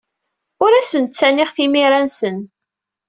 Ur asen-ttaniɣ timira-nsen.